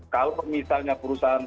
kalau misalnya perusahaan